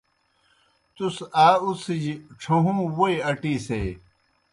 تُس آ اُڅِھجیْ ڇھہُوں ووئی اٹیسیئی۔